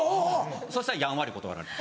そしたらやんわり断られた。